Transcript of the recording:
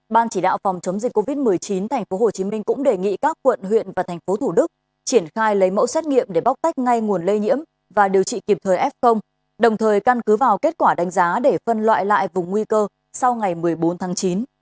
ban chỉ đạo phòng chống dịch covid một mươi chín tp hcm cũng đề nghị các quận huyện và thành phố thủ đức triển khai lấy mẫu xét nghiệm để bóc tách ngay nguồn lây nhiễm và điều trị kịp thời f đồng thời căn cứ vào kết quả đánh giá để phân loại lại vùng nguy cơ sau ngày một mươi bốn tháng chín